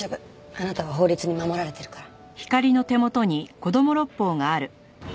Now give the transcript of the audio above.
あなたは法律に守られてるから。